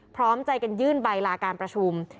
พร้อมใจกันยื่นใบลาการประชุม